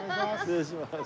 失礼します。